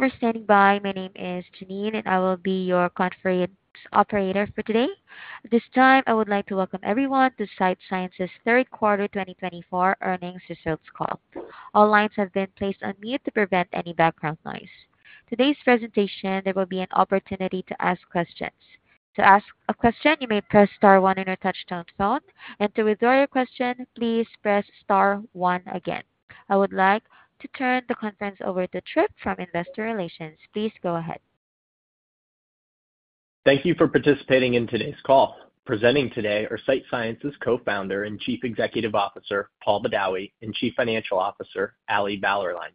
Thank you for standing by. My name is Janine, and I will be your conference operator for today. At this time, I would like to welcome everyone to Sight Sciences' Third Quarter 2024 Earnings Results Call. All lines have been placed on mute to prevent any background noise. Today's presentation, there will be an opportunity to ask questions. To ask a question, you may press star one on your touch-tone phone, and to withdraw your question, please press star one again. I would like to turn the conference over to Trip from Investor Relations. Please go ahead. Thank you for participating in today's call. Presenting today are Sight Sciences' co-founder and Chief Executive Officer, Paul Badawi, and Chief Financial Officer, Ali Bauerlein.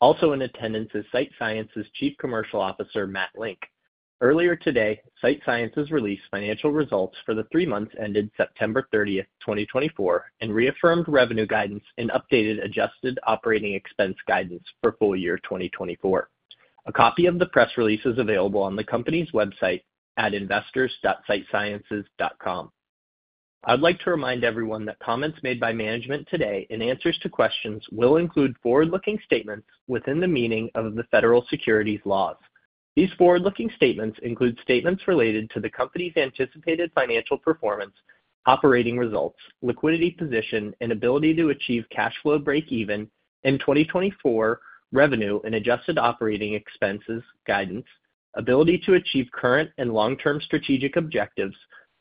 Also in attendance is Sight Sciences' Chief Commercial Officer, Matt Link. Earlier today, Sight Sciences released financial results for the three months ended September 30, 2024, and reaffirmed revenue guidance and updated adjusted operating expense guidance for full year 2024. A copy of the press release is available on the company's website at investors.sightsciences.com. I would like to remind everyone that comments made by management today and answers to questions will include forward-looking statements within the meaning of the federal securities laws. These forward-looking statements include statements related to the company's anticipated financial performance, operating results, liquidity position, and ability to achieve cash flow break-even in 2024 revenue and adjusted operating expenses guidance, ability to achieve current and long-term strategic objectives,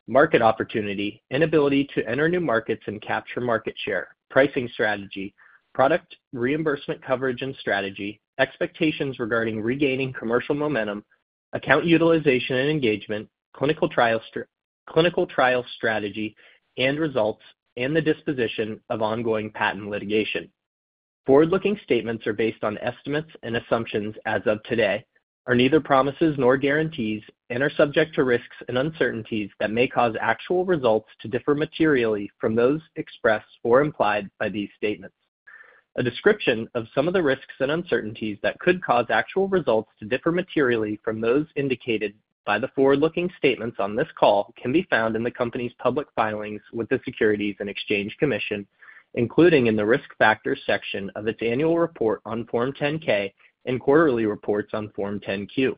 market opportunity, and ability to enter new markets and capture market share, pricing strategy, product reimbursement coverage and strategy, expectations regarding regaining commercial momentum, account utilization and engagement, clinical trial strategy, and results, and the disposition of ongoing patent litigation. Forward-looking statements are based on estimates and assumptions as of today, are neither promises nor guarantees, and are subject to risks and uncertainties that may cause actual results to differ materially from those expressed or implied by these statements. A description of some of the risks and uncertainties that could cause actual results to differ materially from those indicated by the forward-looking statements on this call can be found in the company's public filings with the Securities and Exchange Commission, including in the risk factors section of its annual report on Form 10-K and quarterly reports on Form 10-Q.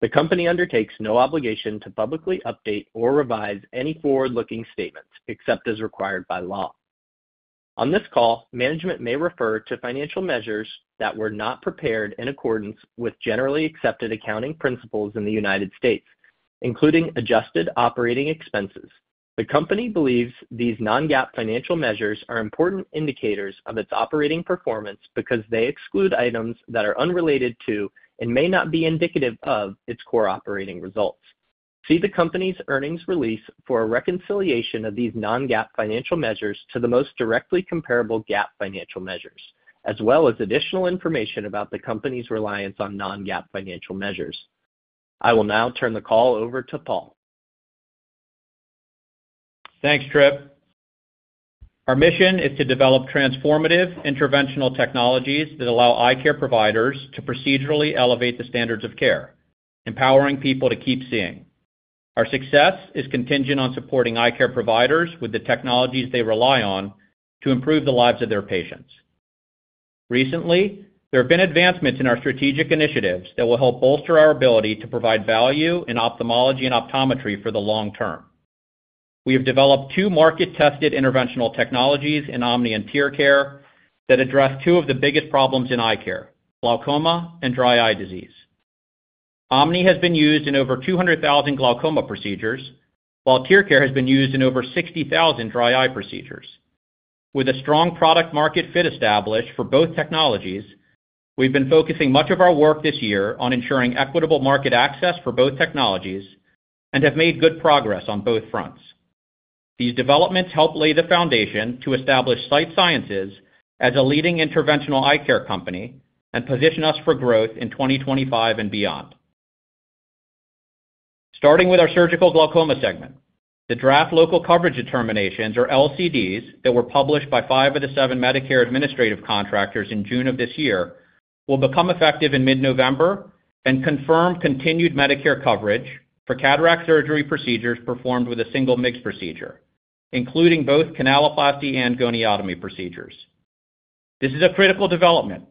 The company undertakes no obligation to publicly update or revise any forward-looking statements except as required by law. On this call, management may refer to financial measures that were not prepared in accordance with generally accepted accounting principles in the United States, including adjusted operating expenses. The company believes these non-GAAP financial measures are important indicators of its operating performance because they exclude items that are unrelated to and may not be indicative of its core operating results. See the company's earnings release for a reconciliation of these non-GAAP financial measures to the most directly comparable GAAP financial measures, as well as additional information about the company's reliance on non-GAAP financial measures. I will now turn the call over to Paul. Thanks, Trip. Our mission is to develop transformative interventional technologies that allow eye care providers to procedurally elevate the standards of care, empowering people to keep seeing. Our success is contingent on supporting eye care providers with the technologies they rely on to improve the lives of their patients. Recently, there have been advancements in our strategic initiatives that will help bolster our ability to provide value in ophthalmology and optometry for the long term. We have developed two market-tested interventional technologies in OMNI and TearCare that address two of the biggest problems in eye care: glaucoma and dry eye disease. OMNI has been used in over 200,000 glaucoma procedures, while TearCare has been used in over 60,000 dry eye procedures. With a strong product-market fit established for both technologies, we've been focusing much of our work this year on ensuring equitable market access for both technologies and have made good progress on both fronts. These developments help lay the foundation to establish Sight Sciences as a leading interventional eye care company and position us for growth in 2025 and beyond. Starting with our surgical glaucoma segment, the draft local coverage determinations, or LCDs, that were published by five of the seven Medicare administrative contractors in June of this year will become effective in mid-November and confirm continued Medicare coverage for cataract surgery procedures performed with a single MIGS procedure, including both canaloplasty and goniotomy procedures. This is a critical development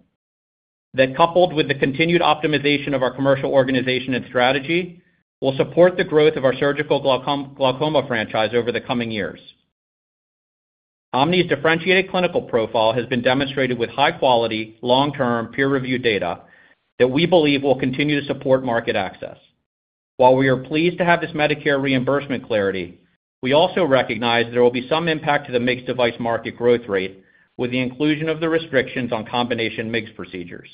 that, coupled with the continued optimization of our commercial organization and strategy, will support the growth of our surgical glaucoma franchise over the coming years. OMNI's differentiated clinical profile has been demonstrated with high-quality, long-term peer-reviewed data that we believe will continue to support market access. While we are pleased to have this Medicare reimbursement clarity, we also recognize there will be some impact to the MIGS device market growth rate with the inclusion of the restrictions on combination MIGS procedures.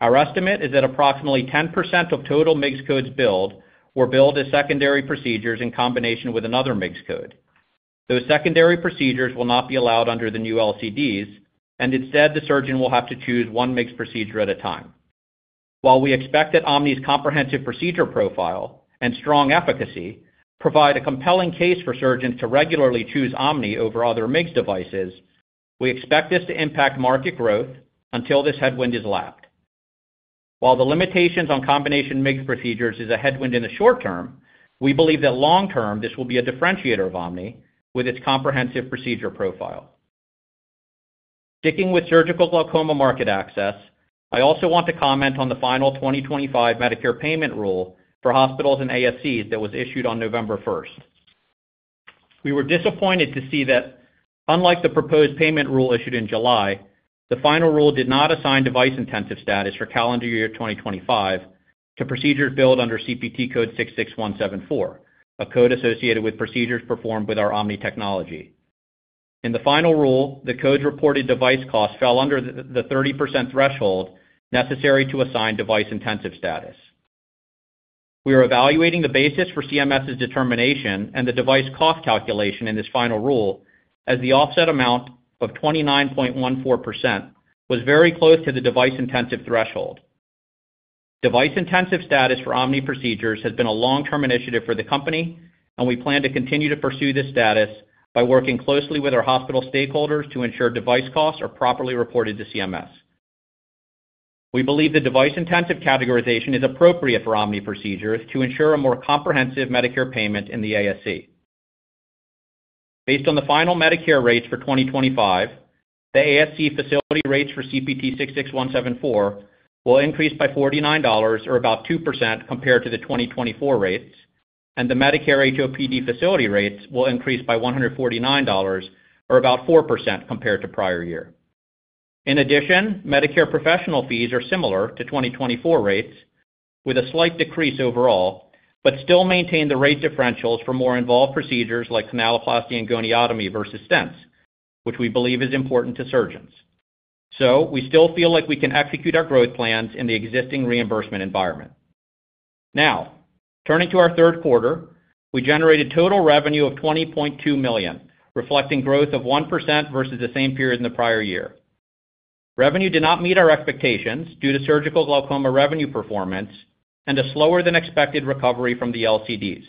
Our estimate is that approximately 10% of total MIGS codes billed were billed as secondary procedures in combination with another MIGS code. Those secondary procedures will not be allowed under the new LCDs, and instead, the surgeon will have to choose one MIGS procedure at a time. While we expect that OMNI's comprehensive procedure profile and strong efficacy provide a compelling case for surgeons to regularly choose OMNI over other MIGS devices, we expect this to impact market growth until this headwind is lapped. While the limitations on combination MIGS procedures are a headwind in the short term, we believe that long term this will be a differentiator of OMNI with its comprehensive procedure profile. Sticking with surgical glaucoma market access, I also want to comment on the final 2025 Medicare payment rule for hospitals and ASCs that was issued on November 1st. We were disappointed to see that, unlike the proposed payment rule issued in July, the final rule did not assign device-intensive status for calendar year 2025 to procedures billed under CPT code 66174, a code associated with procedures performed with our OMNI technology. In the final rule, the code's reported device cost fell under the 30% threshold necessary to assign device-intensive status. We are evaluating the basis for CMS's determination and the device cost calculation in this final rule as the offset amount of 29.14% was very close to the device-intensive threshold. Device-intensive status for OMNI procedures has been a long-term initiative for the company, and we plan to continue to pursue this status by working closely with our hospital stakeholders to ensure device costs are properly reported to CMS. We believe the device-intensive categorization is appropriate for OMNI procedures to ensure a more comprehensive Medicare payment in the ASC. Based on the final Medicare rates for 2025, the ASC facility rates for CPT 66174 will increase by $49, or about 2%, compared to the 2024 rates, and the Medicare HOPD facility rates will increase by $149, or about 4%, compared to prior year. In addition, Medicare professional fees are similar to 2024 rates, with a slight decrease overall, but still maintain the rate differentials for more involved procedures like canaloplasty and goniotomy versus stents, which we believe is important to surgeons. So we still feel like we can execute our growth plans in the existing reimbursement environment. Now, turning to our third quarter, we generated total revenue of $20.2 million, reflecting growth of 1% versus the same period in the prior year. Revenue did not meet our expectations due to surgical glaucoma revenue performance and a slower-than-expected recovery from the LCDs,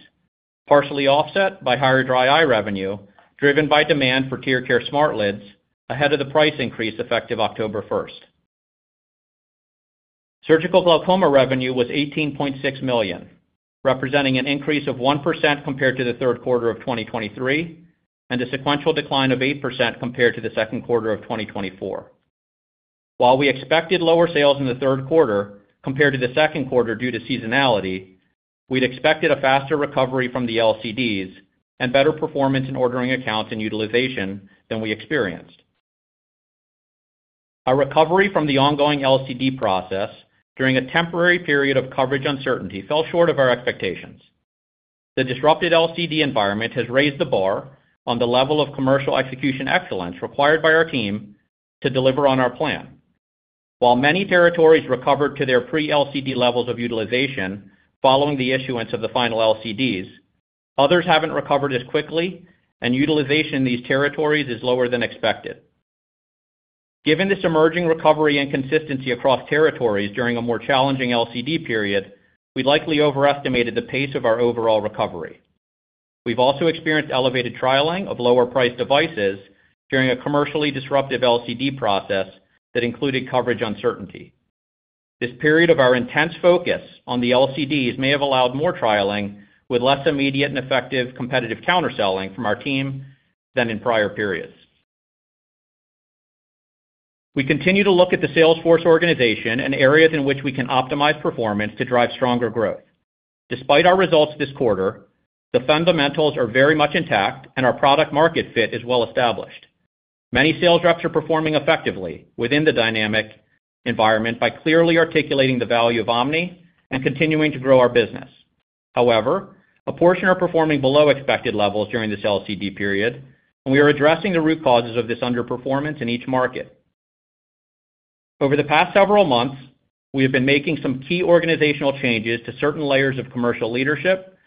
partially offset by higher dry eye revenue driven by demand for TearCare SmartLids ahead of the price increase effective October 1st. Surgical glaucoma revenue was $18.6 million, representing an increase of 1% compared to the third quarter of 2023 and a sequential decline of 8% compared to the second quarter of 2024. While we expected lower sales in the third quarter compared to the second quarter due to seasonality, we'd expected a faster recovery from the LCDs and better performance in ordering accounts and utilization than we experienced. Our recovery from the ongoing LCD process during a temporary period of coverage uncertainty fell short of our expectations. The disrupted LCD environment has raised the bar on the level of commercial execution excellence required by our team to deliver on our plan. While many territories recovered to their pre-LCD levels of utilization following the issuance of the final LCDs, others haven't recovered as quickly, and utilization in these territories is lower than expected. Given this emerging recovery and consistency across territories during a more challenging LCD period, we likely overestimated the pace of our overall recovery. We've also experienced elevated trialing of lower-priced devices during a commercially disruptive LCD process that included coverage uncertainty. This period of our intense focus on the LCDs may have allowed more trialing with less immediate and effective competitive counterselling from our team than in prior periods. We continue to look at the sales force organization and areas in which we can optimize performance to drive stronger growth. Despite our results this quarter, the fundamentals are very much intact, and our product-market fit is well established. Many sales reps are performing effectively within the dynamic environment by clearly articulating the value of OMNI and continuing to grow our business. However, a portion are performing below expected levels during this LCD period, and we are addressing the root causes of this underperformance in each market. Over the past several months, we have been making some key organizational changes to certain layers of commercial leadership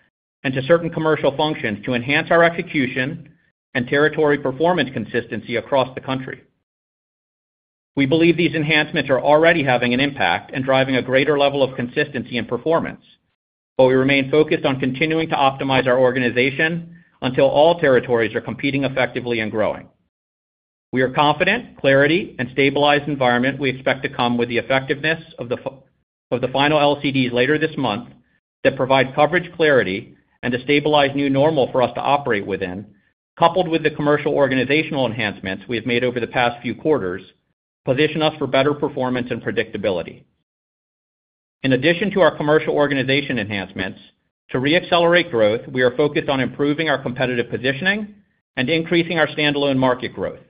and to certain commercial functions to enhance our execution and territory performance consistency across the country. We believe these enhancements are already having an impact and driving a greater level of consistency and performance, but we remain focused on continuing to optimize our organization until all territories are competing effectively and growing. We are confident clarity and stabilized environment we expect to come with the effectiveness of the final LCDs later this month that provide coverage clarity and a stabilized new normal for us to operate within, coupled with the commercial organizational enhancements we have made over the past few quarters, position us for better performance and predictability. In addition to our commercial organization enhancements, to re-accelerate growth, we are focused on improving our competitive positioning and increasing our standalone market growth,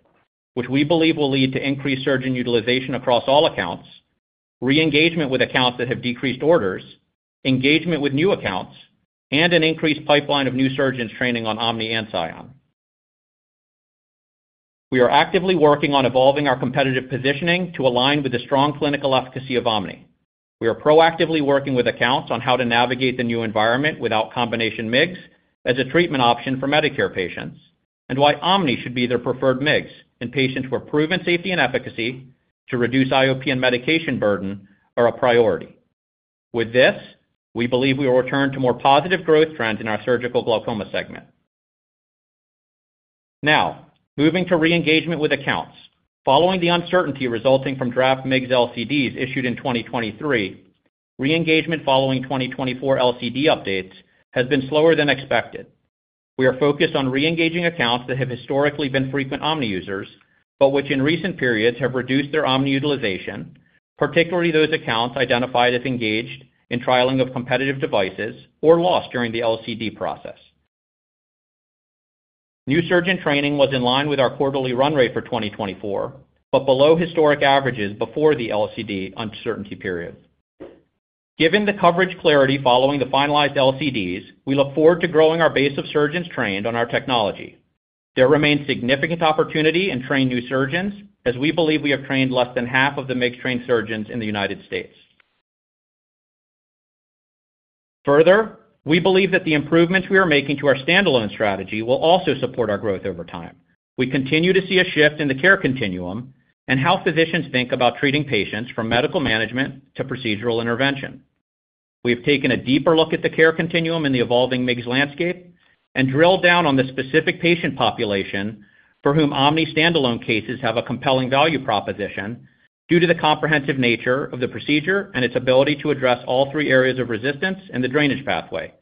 which we believe will lead to increased surgeon utilization across all accounts, re-engagement with accounts that have decreased orders, engagement with new accounts, and an increased pipeline of new surgeons training on OMNI, SION. We are actively working on evolving our competitive positioning to align with the strong clinical efficacy of OMNI. We are proactively working with accounts on how to navigate the new environment without combination MIGS as a treatment option for Medicare patients and why OMNI should be their preferred MIGS in patients where proven safety and efficacy to reduce IOP and medication burden are a priority. With this, we believe we will return to more positive growth trends in our surgical glaucoma segment. Now, moving to re-engagement with accounts. Following the uncertainty resulting from draft MIGS LCDs issued in 2023, re-engagement following 2024 LCD updates has been slower than expected. We are focused on re-engaging accounts that have historically been frequent OMNI users, but which in recent periods have reduced their OMNI utilization, particularly those accounts identified as engaged in trialing of competitive devices or lost during the LCD process. New surgeon training was in line with our quarterly run rate for 2024, but below historic averages before the LCD uncertainty period. Given the coverage clarity following the finalized LCDs, we look forward to growing our base of surgeons trained on our technology. There remains significant opportunity in training new surgeons, as we believe we have trained less than half of the MIGS-trained surgeons in the United States. Further, we believe that the improvements we are making to our standalone strategy will also support our growth over time. We continue to see a shift in the care continuum and how physicians think about treating patients from medical management to procedural intervention. We have taken a deeper look at the care continuum in the evolving MIGS landscape and drilled down on the specific patient population for whom OMNI standalone cases have a compelling value proposition due to the comprehensive nature of the procedure and its ability to address all three areas of resistance and the drainage pathway.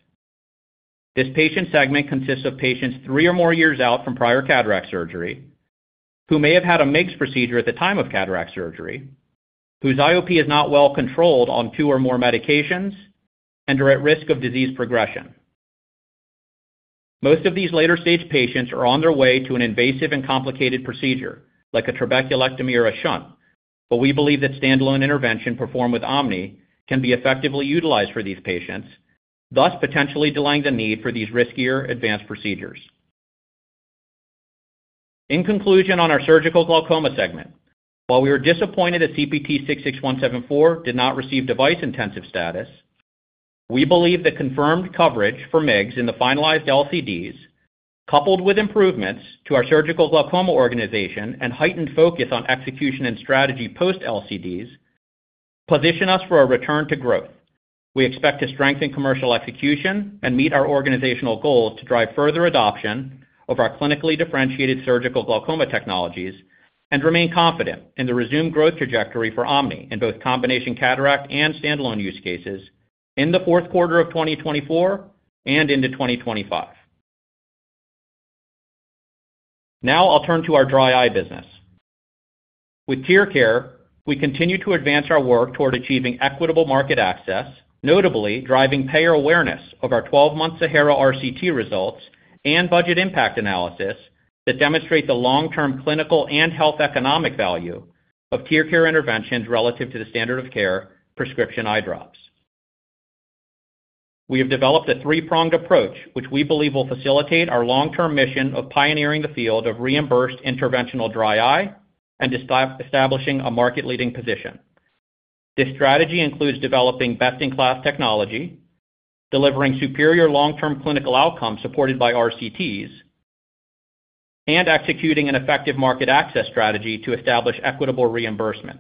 This patient segment consists of patients three or more years out from prior cataract surgery, who may have had a MIGS procedure at the time of cataract surgery, whose IOP is not well controlled on two or more medications, and are at risk of disease progression. Most of these later-stage patients are on their way to an invasive and complicated procedure, like a trabeculectomy or a shunt, but we believe that standalone intervention performed with OMNI can be effectively utilized for these patients, thus potentially delaying the need for these riskier advanced procedures. In conclusion on our surgical glaucoma segment, while we were disappointed that CPT 66174 did not receive device-intensive status, we believe that confirmed coverage for MIGS in the finalized LCDs, coupled with improvements to our surgical glaucoma organization and heightened focus on execution and strategy post-LCDs, position us for a return to growth. We expect to strengthen commercial execution and meet our organizational goals to drive further adoption of our clinically differentiated surgical glaucoma technologies and remain confident in the resumed growth trajectory for OMNI in both combination cataract and standalone use cases in the fourth quarter of 2024 and into 2025. Now, I'll turn to our dry eye business. With TearCare, we continue to advance our work toward achieving equitable market access, notably driving payer awareness of our 12-month SAHARA RCT results and budget impact analysis that demonstrate the long-term clinical and health economic value of TearCare interventions relative to the standard of care prescription eye drops. We have developed a three-pronged approach, which we believe will facilitate our long-term mission of pioneering the field of reimbursed interventional dry eye and establishing a market-leading position. This strategy includes developing best-in-class technology, delivering superior long-term clinical outcomes supported by RCTs, and executing an effective market access strategy to establish equitable reimbursement.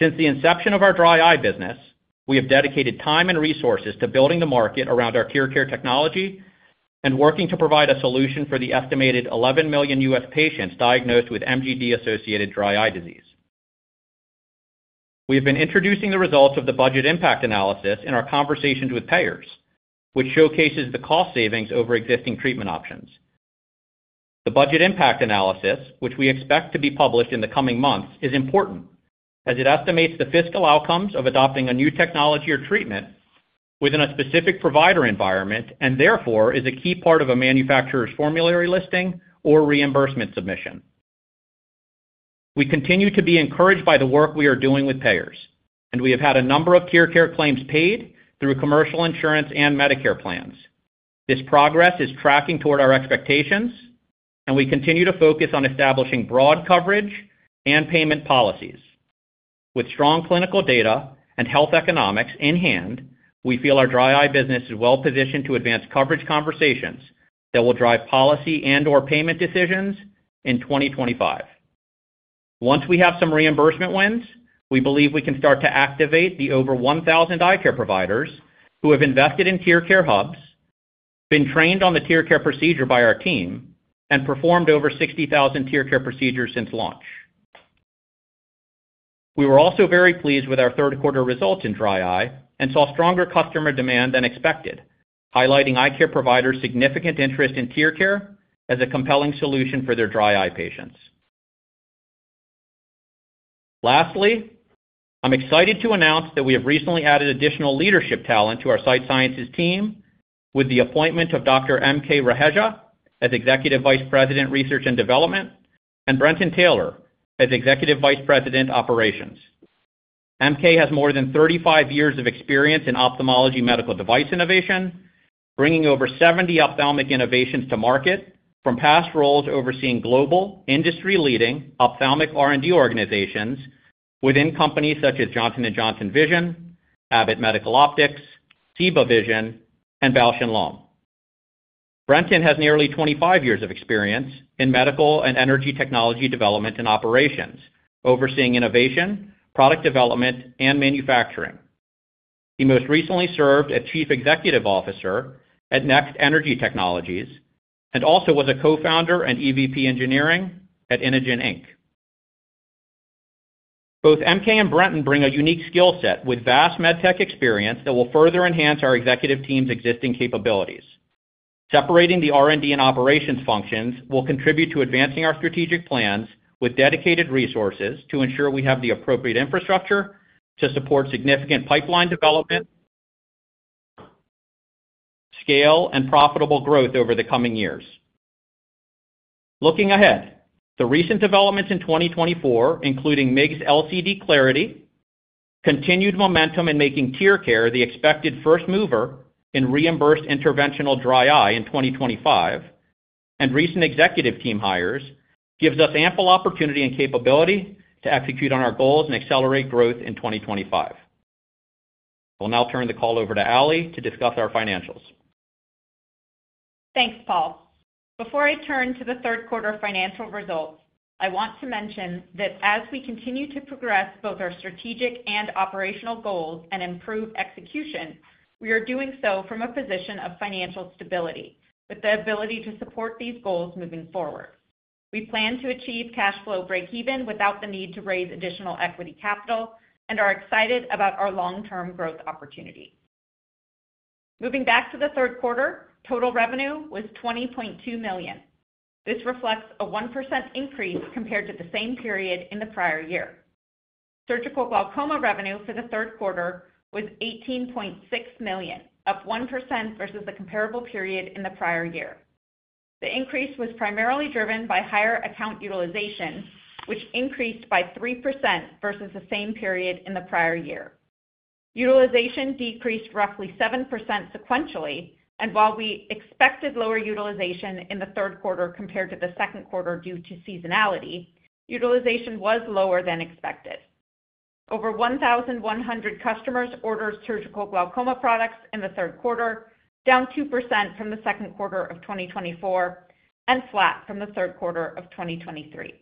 Since the inception of our dry eye business, we have dedicated time and resources to building the market around our TearCare technology and working to provide a solution for the estimated 11 million U.S. patients diagnosed with MGD-associated dry eye disease. We have been introducing the results of the budget impact analysis in our conversations with payers, which showcases the cost savings over existing treatment options. The budget impact analysis, which we expect to be published in the coming months, is important as it estimates the fiscal outcomes of adopting a new technology or treatment within a specific provider environment and therefore is a key part of a manufacturer's formulary listing or reimbursement submission. We continue to be encouraged by the work we are doing with payers, and we have had a number of TearCare claims paid through commercial insurance and Medicare plans. This progress is tracking toward our expectations, and we continue to focus on establishing broad coverage and payment policies. With strong clinical data and health economics in hand, we feel our dry eye business is well positioned to advance coverage conversations that will drive policy and/or payment decisions in 2025. Once we have some reimbursement wins, we believe we can start to activate the over 1,000 eye care providers who have invested in TearCare hubs, been trained on the TearCare procedure by our team, and performed over 60,000 TearCare procedures since launch. We were also very pleased with our third quarter results in dry eye and saw stronger customer demand than expected, highlighting eye care providers' significant interest in TearCare as a compelling solution for their dry eye patients. Lastly, I'm excited to announce that we have recently added additional leadership talent to our Sight Sciences team with the appointment of Dr. MK Raheja. As Executive Vice President, Research and Development and Brenton Taylor as Executive Vice President, Operations. MK has more than 35 years of experience in ophthalmology medical device innovation, bringing over 70 ophthalmic innovations to market from past roles overseeing global industry-leading ophthalmic R&D organizations within companies such as Johnson & Johnson Vision, Abbott Medical Optics, Ciba Vision, and Bausch & Lomb. Brenton has nearly 25 years of experience in medical and energy technology development and operations, overseeing innovation, product development, and manufacturing. He most recently served as Chief Executive Officer at Next Energy Technologies and also was a co-founder and EVP Engineering at Inogen Inc. Both MK and Brenton bring a unique skill set with vast med tech experience that will further enhance our executive team's existing capabilities. Separating the R&D and operations functions will contribute to advancing our strategic plans with dedicated resources to ensure we have the appropriate infrastructure to support significant pipeline development, scale, and profitable growth over the coming years. Looking ahead, the recent developments in 2024, including MIGS LCD clarity, continued momentum in making TearCare the expected first mover in reimbursed interventional dry eye in 2025, and recent executive team hires give us ample opportunity and capability to execute on our goals and accelerate growth in 2025. I'll now turn the call over to Ali to discuss our financials. Thanks, Paul. Before I turn to the third quarter financial results, I want to mention that as we continue to progress both our strategic and operational goals and improve execution, we are doing so from a position of financial stability with the ability to support these goals moving forward. We plan to achieve cash flow break-even without the need to raise additional equity capital and are excited about our long-term growth opportunity. Moving back to the third quarter, total revenue was $20.2 million. This reflects a 1% increase compared to the same period in the prior year. Surgical glaucoma revenue for the third quarter was $18.6 million, up 1% versus the comparable period in the prior year. The increase was primarily driven by higher account utilization, which increased by 3% versus the same period in the prior year. Utilization decreased roughly 7% sequentially, and while we expected lower utilization in the third quarter compared to the second quarter due to seasonality, utilization was lower than expected. Over 1,100 customers ordered surgical glaucoma products in the third quarter, down 2% from the second quarter of 2024 and flat from the third quarter of 2023.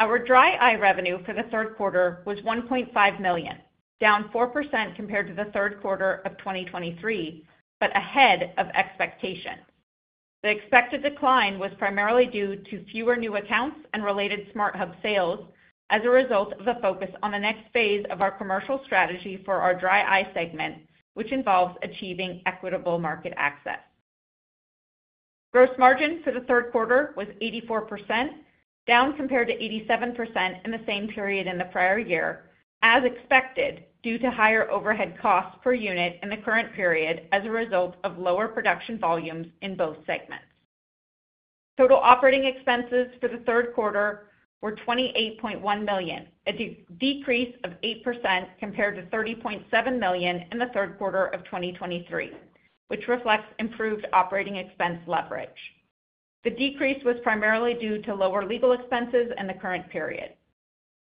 Our dry eye revenue for the third quarter was $1.5 million, down 4% compared to the third quarter of 2023, but ahead of expectations. The expected decline was primarily due to fewer new accounts and related SmartHub sales as a result of the focus on the next phase of our commercial strategy for our dry eye segment, which involves achieving equitable market access. Gross margin for the third quarter was 84%, down compared to 87% in the same period in the prior year, as expected due to higher overhead costs per unit in the current period as a result of lower production volumes in both segments. Total operating expenses for the third quarter were $28.1 million, a decrease of 8% compared to $30.7 million in the third quarter of 2023, which reflects improved operating expense leverage. The decrease was primarily due to lower legal expenses in the current period.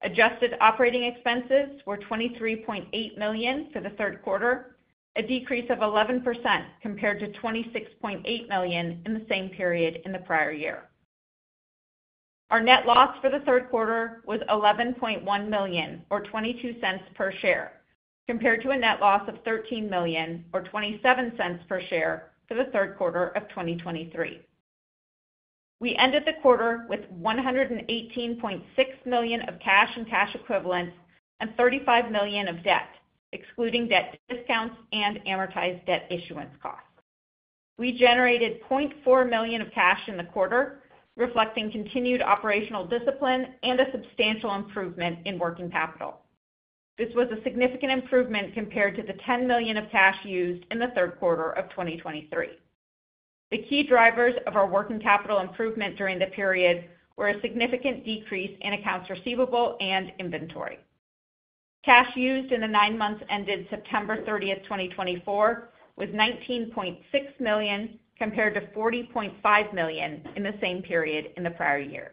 Adjusted operating expenses were $23.8 million for the third quarter, a decrease of 11% compared to $26.8 million in the same period in the prior year. Our net loss for the third quarter was $11.1 million, or $0.22 per share, compared to a net loss of $13 million, or $0.27 per share for the third quarter of 2023. We ended the quarter with $118.6 million of cash and cash equivalents and $35 million of debt, excluding debt discounts and amortized debt issuance costs. We generated $0.4 million of cash in the quarter, reflecting continued operational discipline and a substantial improvement in working capital. This was a significant improvement compared to the $10 million of cash used in the third quarter of 2023. The key drivers of our working capital improvement during the period were a significant decrease in accounts receivable and inventory. Cash used in the nine months ended September 30, 2024, was $19.6 million compared to $40.5 million in the same period in the prior year.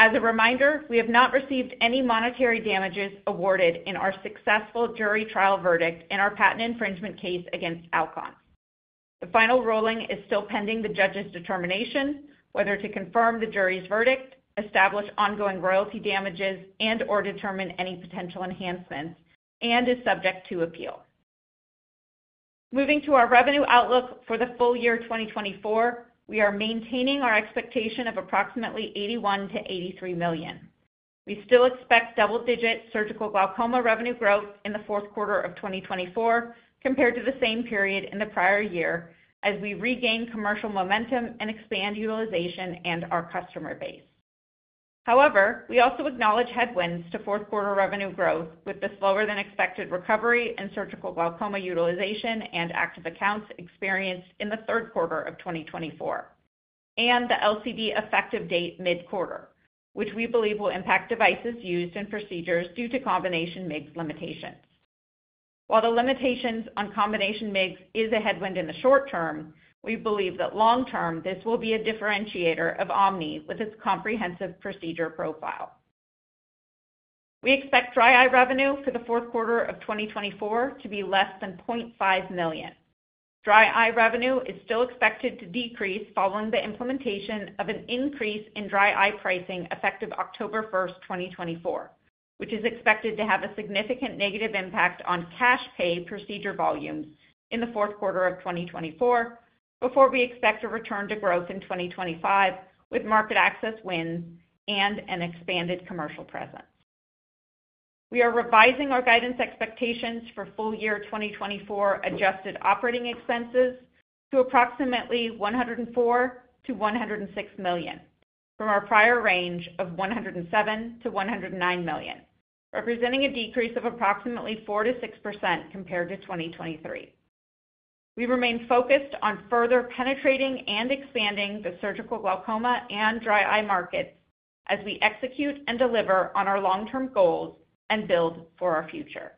As a reminder, we have not received any monetary damages awarded in our successful jury trial verdict in our patent infringement case against Alcon. The final ruling is still pending the judge's determination whether to confirm the jury's verdict, establish ongoing royalty damages, and/or determine any potential enhancements, and is subject to appeal. Moving to our revenue outlook for the full year 2024, we are maintaining our expectation of approximately $81 million-$83 million. We still expect double-digit surgical glaucoma revenue growth in the fourth quarter of 2024 compared to the same period in the prior year as we regain commercial momentum and expand utilization and our customer base. However, we also acknowledge headwinds to fourth quarter revenue growth with the slower-than-expected recovery in surgical glaucoma utilization and active accounts experienced in the third quarter of 2024 and the LCD effective date mid-quarter, which we believe will impact devices used in procedures due to combination MIGS limitations. While the limitations on combination MIGS is a headwind in the short term, we believe that long-term this will be a differentiator of OMNI with its comprehensive procedure profile. We expect dry eye revenue for the fourth quarter of 2024 to be less than $0.5 million. Dry eye revenue is still expected to decrease following the implementation of an increase in dry eye pricing effective October 1, 2024, which is expected to have a significant negative impact on cash pay procedure volumes in the fourth quarter of 2024 before we expect a return to growth in 2025 with market access wins and an expanded commercial presence. We are revising our guidance expectations for full year 2024 adjusted operating expenses to approximately $104 million-$106 million from our prior range of $107 million-$109 million, representing a decrease of approximately 4%-6% compared to 2023. We remain focused on further penetrating and expanding the surgical glaucoma and dry eye markets as we execute and deliver on our long-term goals and build for our future.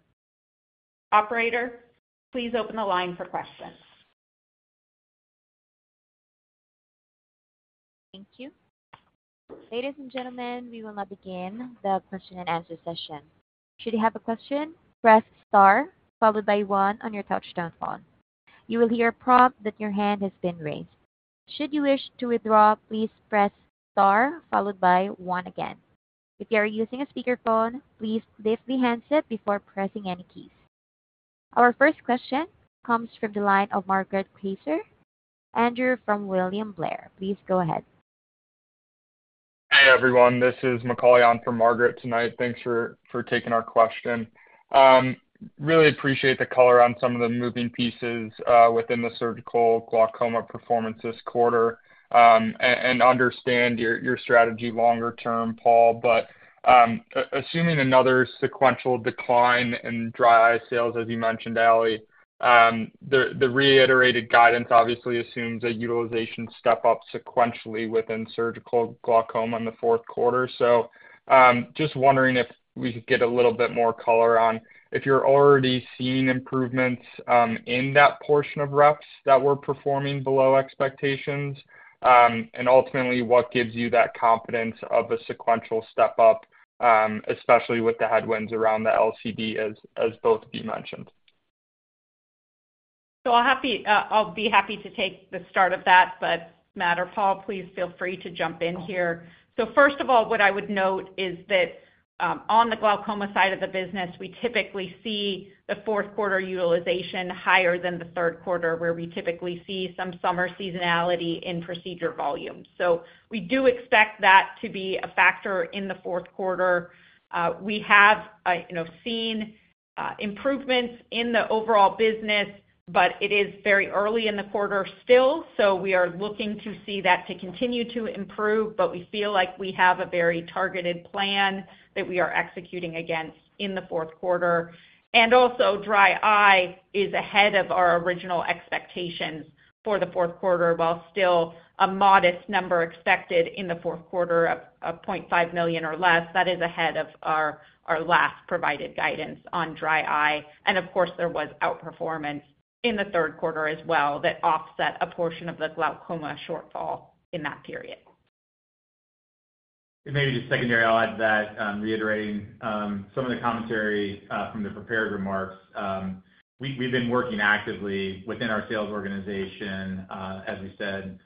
Operator, please open the line for questions. Thank you. Ladies and gentlemen, we will now begin the question and answer session. Should you have a question, press star followed by one on your touch-tone phone. You will hear a prompt that your hand has been raised. Should you wish to withdraw, please press star followed by one again. If you are using a speakerphone, please lift the handset before pressing any keys. Our first question comes from the line of Margaret Kaczor Andrew from William Blair, please go ahead. Hey, everyone. This is Macaulay on for Margaret tonight. Thanks for taking our question. Really appreciate the color on some of the moving pieces within the surgical glaucoma performance this quarter and understand your strategy longer term, Paul. But assuming another sequential decline in dry eye sales, as you mentioned, Ali, the reiterated guidance obviously assumes that utilization step up sequentially within surgical glaucoma in the fourth quarter. So just wondering if we could get a little bit more color on if you're already seeing improvements in that portion of reps that were performing below expectations and ultimately what gives you that confidence of a sequential step up, especially with the headwinds around the LCD, as both of you mentioned? So I'll be happy to take the start of that, but Matt or Paul, please feel free to jump in here. So first of all, what I would note is that on the glaucoma side of the business, we typically see the fourth quarter utilization higher than the third quarter, where we typically see some summer seasonality in procedure volume. So we do expect that to be a factor in the fourth quarter. We have seen improvements in the overall business, but it is very early in the quarter still. So we are looking to see that to continue to improve, but we feel like we have a very targeted plan that we are executing against in the fourth quarter. And also, dry eye is ahead of our original expectations for the fourth quarter, while still a modest number expected in the fourth quarter of $0.5 million or less. That is ahead of our last provided guidance on dry eye. And of course, there was outperformance in the third quarter as well that offset a portion of the glaucoma shortfall in that period. And maybe just secondary, I'll add that reiterating some of the commentary from the prepared remarks. We've been working actively within our sales organization, as we said,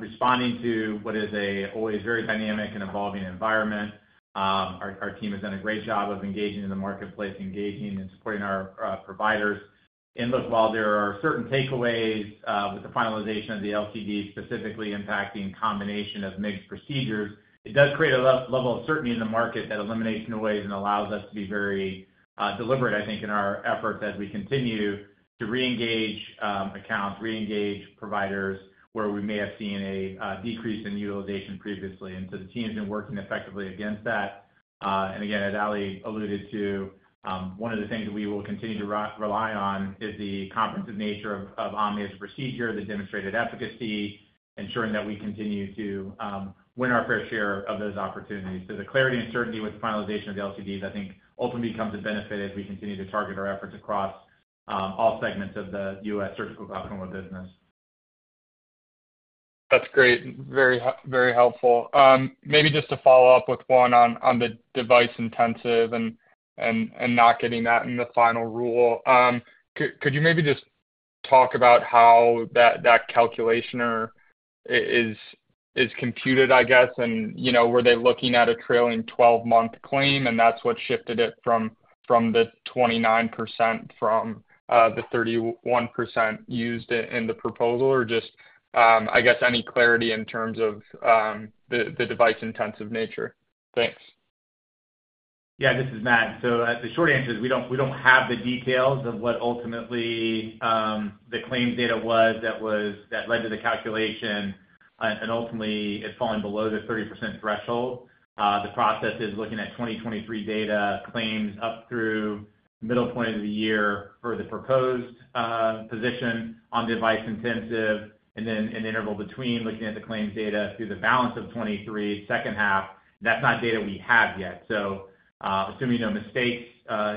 responding to what is an always very dynamic and evolving environment. Our team has done a great job of engaging in the marketplace, engaging and supporting our providers. And look, while there are certain takeaways with the finalization of the LCD specifically impacting combination of MIGS procedures, it does create a level of certainty in the market that eliminates noise and allows us to be very deliberate, I think, in our efforts as we continue to reengage accounts, reengage providers where we may have seen a decrease in utilization previously. And so the team has been working effectively against that. And again, as Allie alluded to, one of the things that we will continue to rely on is the comprehensive nature of OMNI as a procedure, the demonstrated efficacy, ensuring that we continue to win our fair share of those opportunities. So the clarity and certainty with the finalization of the LCDs, I think, ultimately becomes a benefit as we continue to target our efforts across all segments of the U.S. surgical glaucoma business. That's great. Very helpful. Maybe just to follow up with one on the device intensive and not getting that in the final rule. Could you maybe just talk about how that calculation is computed, I guess, and were they looking at a trailing 12-month claim and that's what shifted it from the 29% from the 31% used in the proposal, or just, I guess, any clarity in terms of the device intensive nature? Thanks. Yeah, this is Matt. So the short answer is we don't have the details of what ultimately the claims data was that led to the calculation, and ultimately, it's falling below the 30% threshold. The process is looking at 2023 data claims up through the middle point of the year for the proposed position on device intensive, and then an interval between looking at the claims data through the balance of 2023, second half. That's not data we have yet. So assuming no mistakes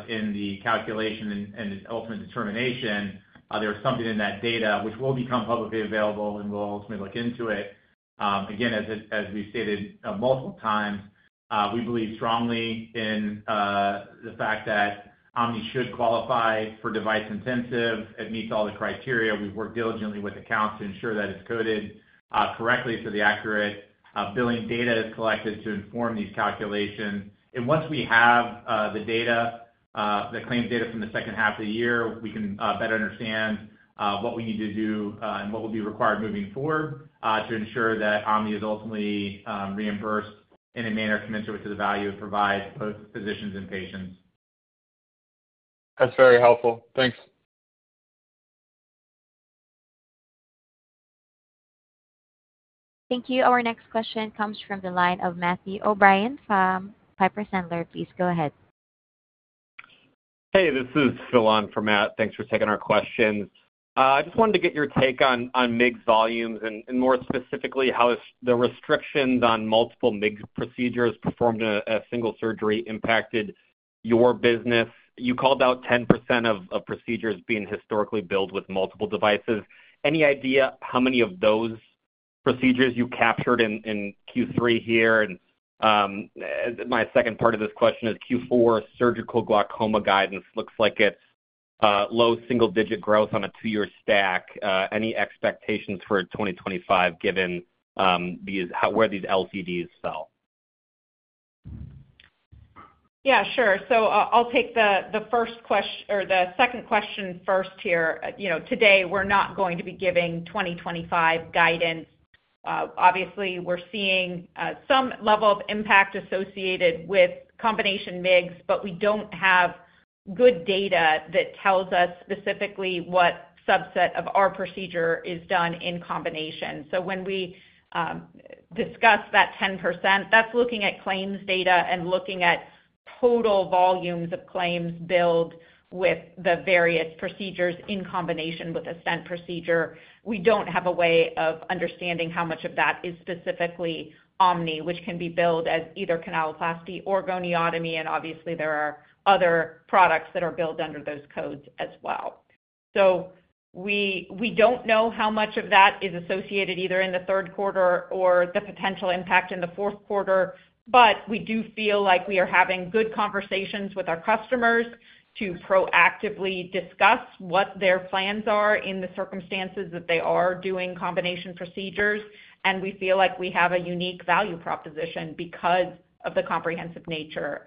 in the calculation and ultimate determination, there is something in that data which will become publicly available and we'll ultimately look into it. Again, as we've stated multiple times, we believe strongly in the fact that OMNI should qualify for device intensive. It meets all the criteria. We've worked diligently with accounts to ensure that it's coded correctly so the accurate billing data is collected to inform these calculations. And once we have the data, the claims data from the second half of the year, we can better understand what we need to do and what will be required moving forward to ensure that OMNI is ultimately reimbursed in a manner commensurate to the value it provides both physicians and patients. That's very helpful. Thanks. Thank you. Our next question comes from the line of Matthew O'Brien from Piper Sandler. Please go ahead. Hey, this is Phil from Matt. Thanks for taking our questions. I just wanted to get your take on MIGS volumes and more specifically how the restrictions on multiple MIGS procedures performed in a single surgery impacted your business. You called out 10% of procedures being historically billed with multiple devices. Any idea how many of those procedures you captured in Q3 here? And my second part of this question is Q4 surgical glaucoma guidance looks like it's low single-digit growth on a two-year stack. Any expectations for 2025 given where these LCDs fell? Yeah, sure. So I'll take the second question first here. Today, we're not going to be giving 2025 guidance. Obviously, we're seeing some level of impact associated with combination MIGS, but we don't have good data that tells us specifically what subset of our procedure is done in combination. So when we discuss that 10%, that's looking at claims data and looking at total volumes of claims billed with the various procedures in combination with a stent procedure. We don't have a way of understanding how much of that is specifically OMNI, which can be billed as either canaloplasty or goniotomy. And obviously, there are other products that are billed under those codes as well. So we don't know how much of that is associated either in the third quarter or the potential impact in the fourth quarter, but we do feel like we are having good conversations with our customers to proactively discuss what their plans are in the circumstances that they are doing combination procedures. And we feel like we have a unique value proposition because of the comprehensive nature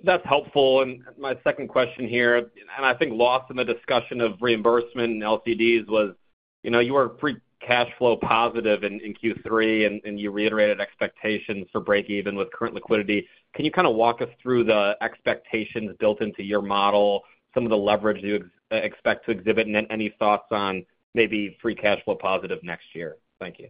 of the OMNI procedure. That's helpful. And my second question here, and I think lost in the discussion of reimbursement and LCDs was you were pretty cash flow positive in Q3, and you reiterated expectations for break-even with current liquidity. Can you kind of walk us through the expectations built into your model, some of the leverage you expect to exhibit, and then any thoughts on maybe free cash flow positive next year? Thank you.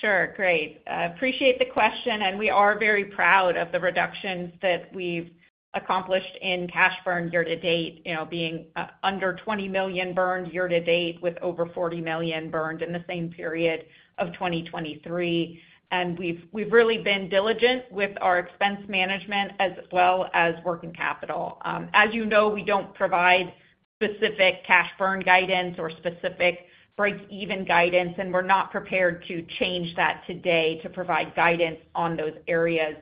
Sure. Great. Appreciate the question. And we are very proud of the reductions that we've accomplished in cash burn year to date, being under $20 million burned year to date with over $40 million burned in the same period of 2023. And we've really been diligent with our expense management as well as working capital. As you know, we don't provide specific cash burn guidance or specific break-even guidance, and we're not prepared to change that today to provide guidance on those areas.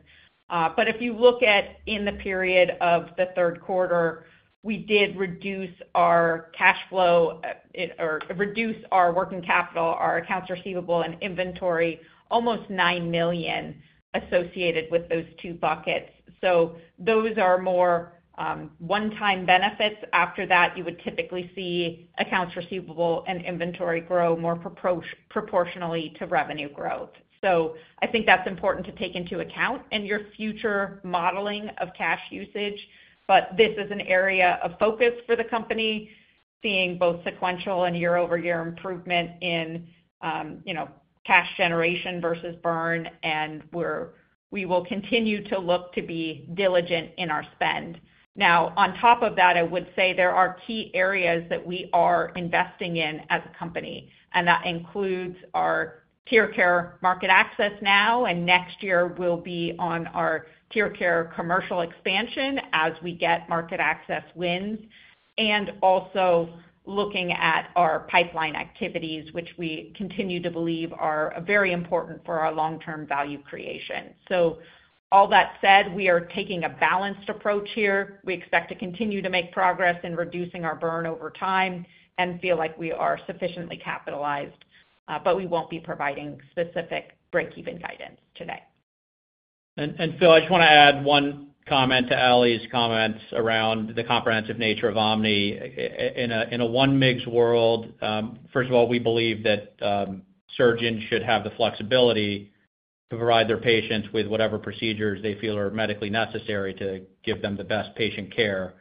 But if you look at in the period of the third quarter, we did reduce our cash flow or reduce our working capital, our accounts receivable, and inventory almost $9 million associated with those two buckets. So those are more one-time benefits. After that, you would typically see accounts receivable and inventory grow more proportionally to revenue growth. So I think that's important to take into account in your future modeling of cash usage. But this is an area of focus for the company, seeing both sequential and year-over-year improvement in cash generation versus burn, and we will continue to look to be diligent in our spend. Now, on top of that, I would say there are key areas that we are investing in as a company, and that includes our TearCare market access now, and next year will be on our TearCare commercial expansion as we get market access wins, and also looking at our pipeline activities, which we continue to believe are very important for our long-term value creation. So all that said, we are taking a balanced approach here. We expect to continue to make progress in reducing our burn over time and feel like we are sufficiently capitalized, but we won't be providing specific break-even guidance today. And Phil, I just want to add one comment to Ali's comments around the comprehensive nature of OMNI. In a one MIGS world, first of all, we believe that surgeons should have the flexibility to provide their patients with whatever procedures they feel are medically necessary to give them the best patient care.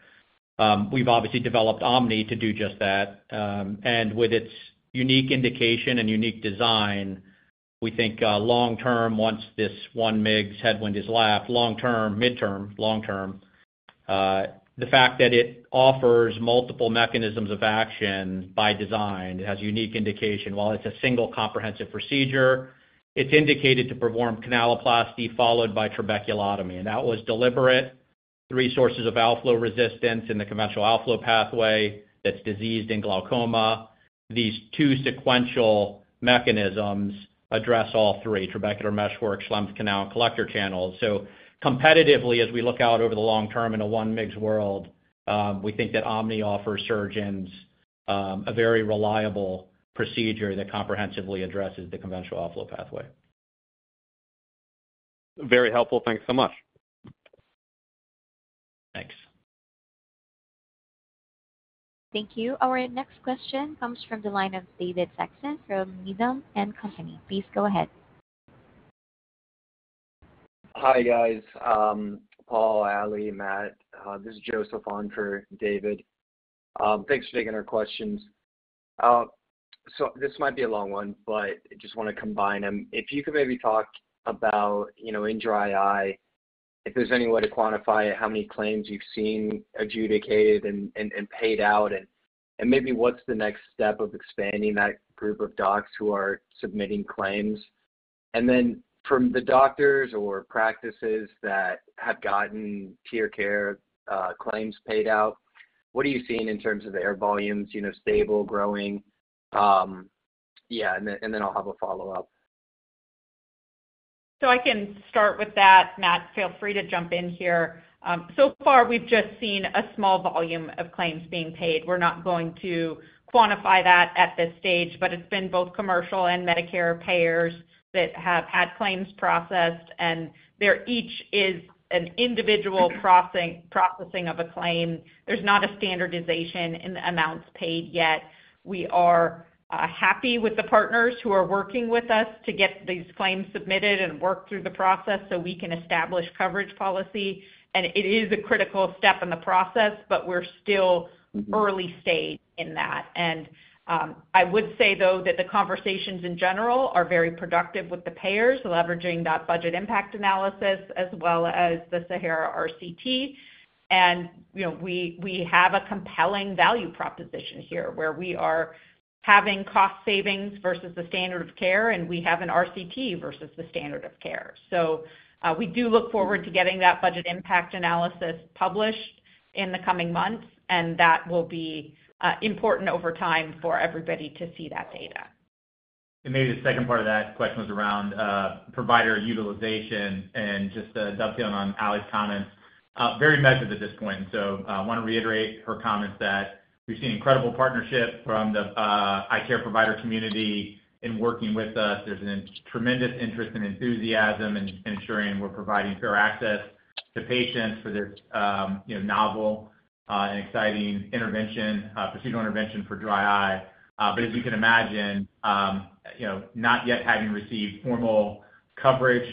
We've obviously developed OMNI to do just that. And with its unique indication and unique design, we think long-term, once this one MIGS headwind is lapped, long-term, midterm, long-term, the fact that it offers multiple mechanisms of action by design, it has unique indication. While it's a single comprehensive procedure, it's indicated to perform canaloplasty followed by trabeculotomy. And that was deliberate. Three sources of outflow resistance in the conventional outflow pathway that's diseased in glaucoma. These two sequential mechanisms address all three: trabecular meshwork, Schlemm's canal, and collector channels. So competitively, as we look out over the long term in a one MIGS world, we think that OMNI offers surgeons a very reliable procedure that comprehensively addresses the conventional outflow pathway. Very helpful. Thanks so much. Thanks. Thank you. Our next question comes from the line of David Saxon from Needham & Company. Please go ahead. Hi guys. Paul, Allie, Matt, this is Joseph on for David. Thanks for taking our questions. So this might be a long one, but I just want to combine them. If you could maybe talk about in dry eye, if there's any way to quantify how many claims you've seen adjudicated and paid out, and maybe what's the next step of expanding that group of docs who are submitting claims. And then from the doctors or practices that have gotten TearCare claims paid out, what are you seeing in terms of their volumes, stable, growing? Yeah. And then I'll have a follow-up. So I can start with that, Matt. Feel free to jump in here. So far, we've just seen a small volume of claims being paid. We're not going to quantify that at this stage, but it's been both commercial and Medicare payers that have had claims processed, and each is an individual processing of a claim. There's not a standardization in the amounts paid yet. We are happy with the partners who are working with us to get these claims submitted and work through the process so we can establish coverage policy. And it is a critical step in the process, but we're still early stage in that. I would say, though, that the conversations in general are very productive with the payers, leveraging that budget impact analysis as well as the SAHARA RCT. And we have a compelling value proposition here where we are having cost savings versus the standard of care, and we have an RCT versus the standard of care. So we do look forward to getting that budget impact analysis published in the coming months, and that will be important over time for everybody to see that data. And maybe the second part of that question was around provider utilization and just to dovetail on Allie's comments, very measured at this point. And so I want to reiterate her comments that we've seen incredible partnership from the eye care provider community in working with us. There's a tremendous interest and enthusiasm in ensuring we're providing fair access to patients for this novel and exciting procedural intervention for dry eye, but as you can imagine, not yet having received formal coverage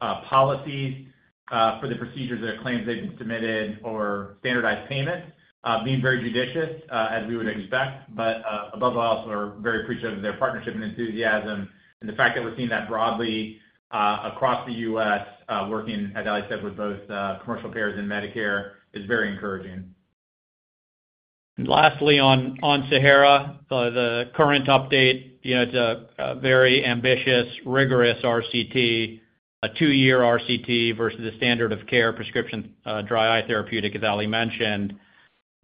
policies for the procedures or claims they've been submitted or standardized payments, being very judicious as we would expect, but above all, we're very appreciative of their partnership and enthusiasm, and the fact that we're seeing that broadly across the U.S., working, as Allie said, with both commercial payers and Medicare, is very encouraging. Lastly, on Sahara, the current update, it's a very ambitious, rigorous RCT, a two-year RCT versus the standard of care prescription dry eye therapeutic, as Allie mentioned.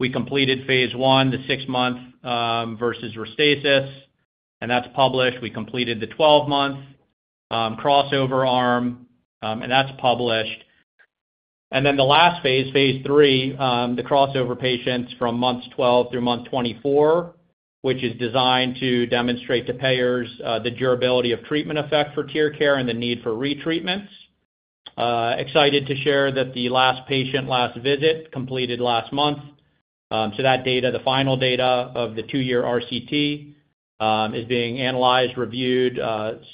We completed phase one, the six-month versus Restasis, and that's published. We completed the 12-month crossover arm, and that's published. And then the last phase, phase three, the crossover patients from month 12 through month 24, which is designed to demonstrate to payers the durability of treatment effect for TearCare and the need for retreatments. Excited to share that the last patient, last visit, completed last month. So that data, the final data of the two-year RCT, is being analyzed, reviewed,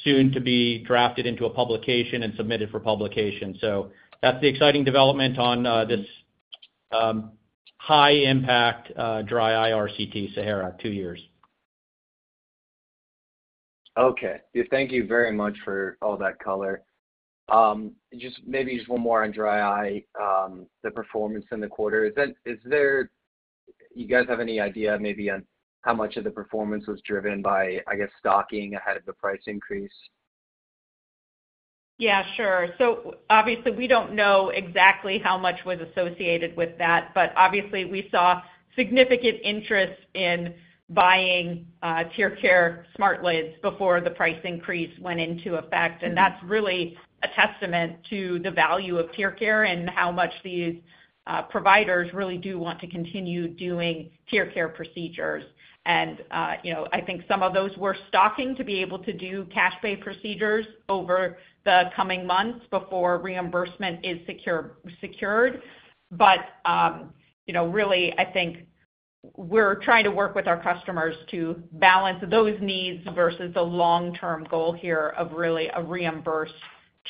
soon to be drafted into a publication and submitted for publication. So that's the exciting development on this high-impact dry eye RCT, SAHARA, two years. Okay. Thank you very much for all that color. Just maybe one more on dry eye, the performance in the quarter. You guys have any idea maybe on how much of the performance was driven by, I guess, stocking ahead of the price increase? Yeah, sure. So obviously, we don't know exactly how much was associated with that, but obviously, we saw significant interest in buying TearCare SmartLids before the price increase went into effect. And that's really a testament to the value of TearCare and how much these providers really do want to continue doing TearCare procedures. And I think some of those were stocking to be able to do cash pay procedures over the coming months before reimbursement is secured. But really, I think we're trying to work with our customers to balance those needs versus the long-term goal here of really a reimbursed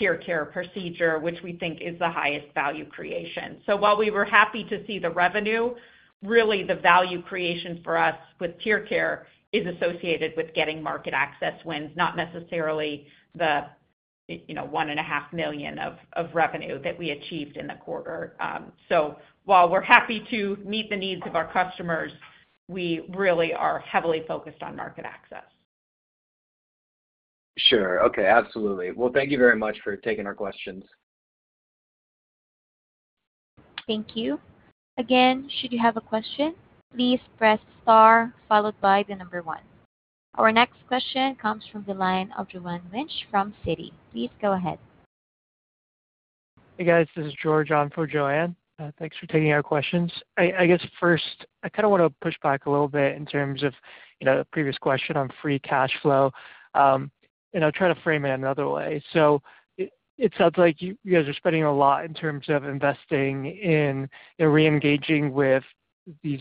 TearCare procedure, which we think is the highest value creation. So while we were happy to see the revenue, really the value creation for us with TearCare is associated with getting market access wins, not necessarily the $1.5 million of revenue that we achieved in the quarter. So while we're happy to meet the needs of our customers, we really are heavily focused on market access. Sure. Okay. Absolutely. Well, thank you very much for taking our questions. Thank you. Again, should you have a question, please press star followed by the number one. Our next question comes from the line of Joanne Wuensch from Citi. Please go ahead. Hey, guys. This is George on for Joanne. Thanks for taking our questions. I guess first, I kind of want to push back a little bit in terms of the previous question on free cash flow. And I'll try to frame it another way. So it sounds like you guys are spending a lot in terms of investing in re-engaging with these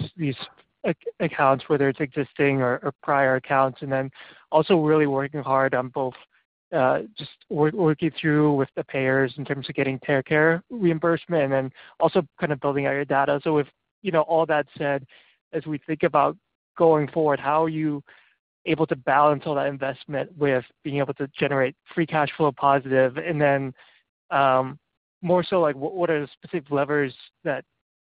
accounts, whether it's existing or prior accounts, and then also really working hard on both just working through with the payers in terms of getting TearCare reimbursement and then also kind of building out your data. So with all that said, as we think about going forward, how are you able to balance all that investment with being able to generate free cash flow positive? And then more so like, what are the specific levers that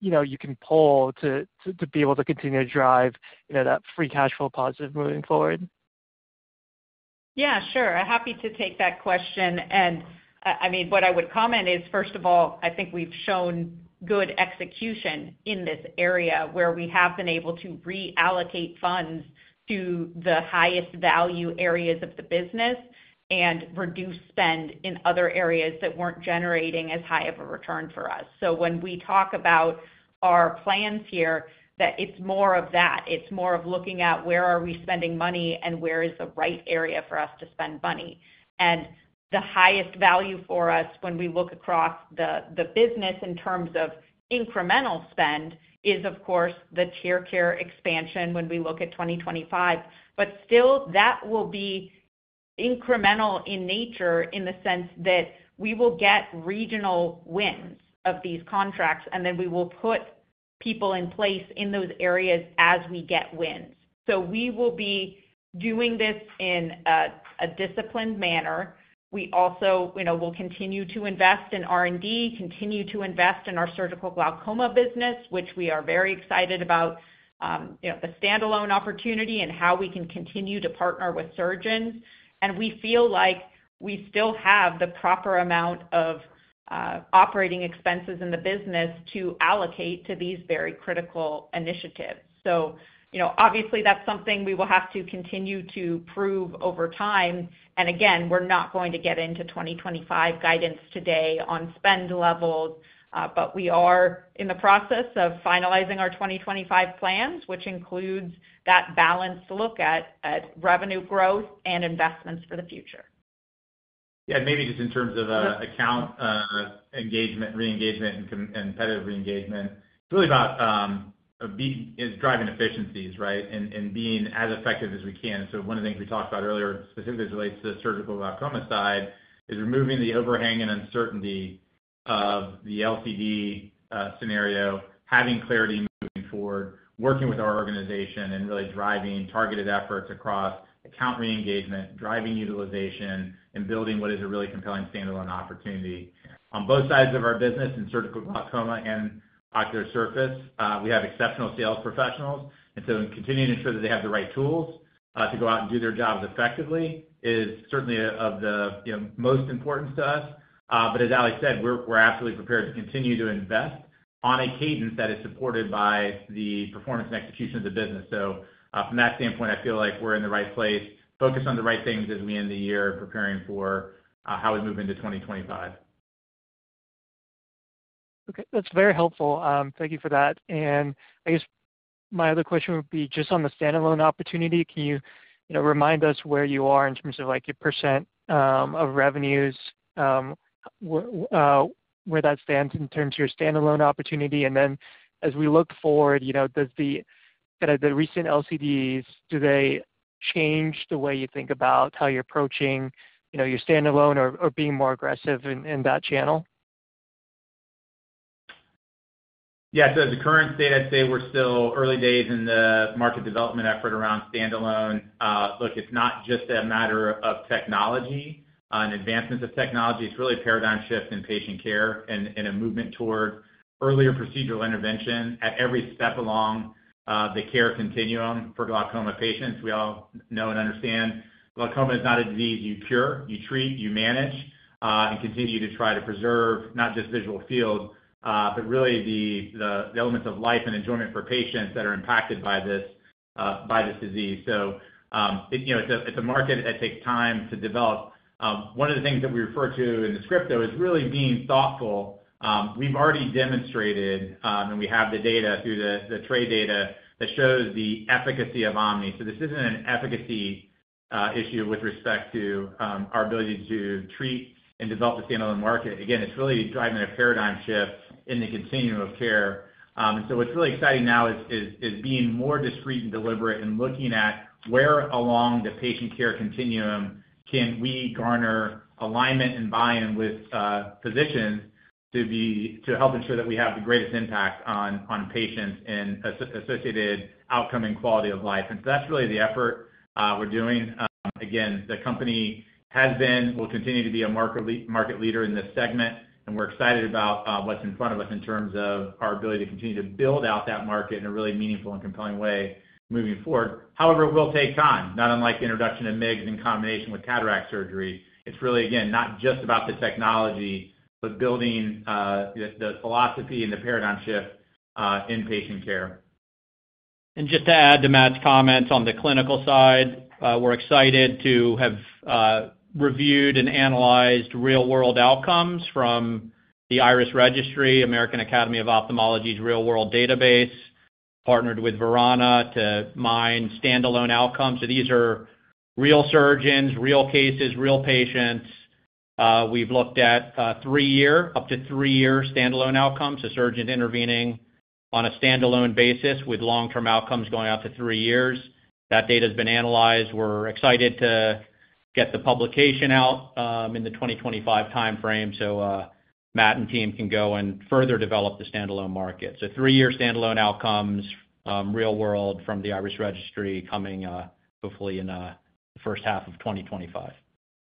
you can pull to be able to continue to drive that free cash flow positive moving forward? Yeah, sure. Happy to take that question. I mean, what I would comment is, first of all, I think we've shown good execution in this area where we have been able to reallocate funds to the highest value areas of the business and reduce spend in other areas that weren't generating as high of a return for us. So when we talk about our plans here, that it's more of that. It's more of looking at where are we spending money and where is the right area for us to spend money. And the highest value for us when we look across the business in terms of incremental spend is, of course, the TearCare expansion when we look at 2025. But still, that will be incremental in nature in the sense that we will get regional wins of these contracts, and then we will put people in place in those areas as we get wins. So we will be doing this in a disciplined manner. We also will continue to invest in R&D, continue to invest in our surgical glaucoma business, which we are very excited about, the standalone opportunity and how we can continue to partner with surgeons. And we feel like we still have the proper amount of operating expenses in the business to allocate to these very critical initiatives. So obviously, that's something we will have to continue to prove over time. And again, we're not going to get into 2025 guidance today on spend levels, but we are in the process of finalizing our 2025 plans, which includes that balanced look at revenue growth and investments for the future. Yeah. And maybe just in terms of account engagement, re-engagement, and competitive re-engagement, it's really about driving efficiencies, right, and being as effective as we can. So one of the things we talked about earlier, specifically as it relates to the surgical glaucoma side, is removing the overhang and uncertainty of the LCD scenario, having clarity moving forward, working with our organization, and really driving targeted efforts across account re-engagement, driving utilization, and building what is a really compelling standalone opportunity. On both sides of our business, in surgical glaucoma and ocular surface, we have exceptional sales professionals. And so in continuing to ensure that they have the right tools to go out and do their jobs effectively is certainly of the most importance to us. But as Ali said, we're absolutely prepared to continue to invest on a cadence that is supported by the performance and execution of the business. So from that standpoint, I feel like we're in the right place, focused on the right things as we end the year preparing for how we move into 2025. Okay. That's very helpful. Thank you for that. And I guess my other question would be just on the standalone opportunity. Can you remind us where you are in terms of your percent of revenues, where that stands in terms of your standalone opportunity? And then as we look forward, does the kind of the recent LCDs, do they change the way you think about how you're approaching your standalone or being more aggressive in that channel? Yeah. So at the current state, I'd say we're still early days in the market development effort around standalone. Look, it's not just a matter of technology and advancements of technology. It's really a paradigm shift in patient care and a movement toward earlier procedural intervention at every step along the care continuum for glaucoma patients. We all know and understand glaucoma is not a disease you cure, you treat, you manage, and continue to try to preserve not just visual field, but really the elements of life and enjoyment for patients that are impacted by this disease. So it's a market that takes time to develop. One of the things that we refer to in the script, though, is really being thoughtful. We've already demonstrated, and we have the data through the trade data that shows the efficacy of OMNI. So this isn't an efficacy issue with respect to our ability to treat and develop the standalone market. Again, it's really driving a paradigm shift in the continuum of care. And so what's really exciting now is being more discreet and deliberate, and looking at where along the patient care continuum can we garner alignment and buy-in with physicians to help ensure that we have the greatest impact on patients and associated outcome and quality of life. And so that's really the effort we're doing. Again, the company has been, will continue to be a market leader in this segment, and we're excited about what's in front of us in terms of our ability to continue to build out that market in a really meaningful and compelling way moving forward. However, it will take time, not unlike the introduction of MIGS in combination with cataract surgery. It's really, again, not just about the technology, but building the philosophy and the paradigm shift in patient care. Just to add to Matt's comments on the clinical side, we're excited to have reviewed and analyzed real-world outcomes from the IRIS Registry, American Academy of Ophthalmology's real-world database, partnered with Verana, to mine standalone outcomes. So these are real surgeons, real cases, real patients. We've looked at up to three-year standalone outcomes, a surgeon intervening on a standalone basis with long-term outcomes going out to three years. That data has been analyzed. We're excited to get the publication out in the 2025 timeframe so Matt and team can go and further develop the standalone market. So three-year standalone outcomes, real-world from the IRIS Registry coming hopefully in the first half of 2025.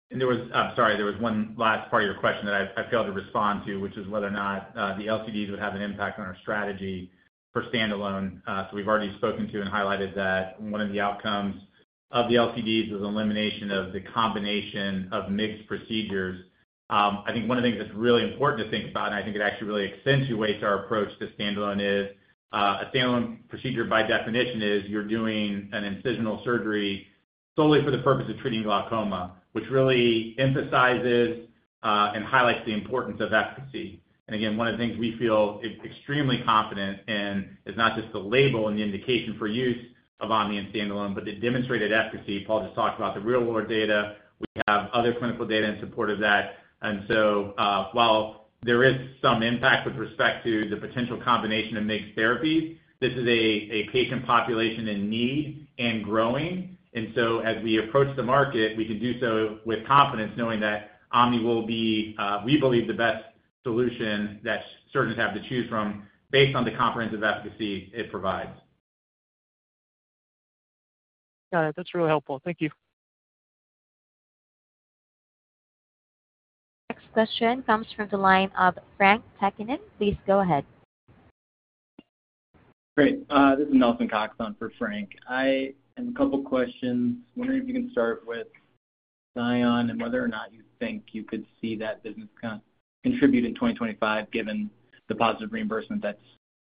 There was, sorry, there was one last part of your question that I failed to respond to, which is whether or not the LCDs would have an impact on our strategy for standalone. So we've already spoken to and highlighted that one of the outcomes of the LCDs was elimination of the combination of MIGS procedures. I think one of the things that's really important to think about, and I think it actually really accentuates our approach to standalone, is a standalone procedure by definition is you're doing an incisional surgery solely for the purpose of treating glaucoma, which really emphasizes and highlights the importance of efficacy. And again, one of the things we feel extremely confident in is not just the label and the indication for use of OMNI and standalone, but the demonstrated efficacy. Paul just talked about the real-world data. We have other clinical data in support of that. And so while there is some impact with respect to the potential combination of MIGS therapies, this is a patient population in need and growing. And so as we approach the market, we can do so with confidence, knowing that OMNI will be, we believe, the best solution that surgeons have to choose from based on the comprehensive efficacy it provides. Got it. That's really helpful. Thank you. Next question comes from the line of Frank Takkinen. Please go ahead. Great. This is Nelson Cox on for Frank. I have a couple of questions. Wondering if you can start with SION and whether or not you think you could see that business contribute in 2025 given the positive reimbursement that's